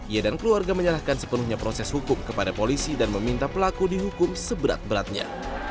ia dan keluarga menyerahkan sepenuhnya proses hukum kepada polisi dan meminta pelaku dihukum seberat beratnya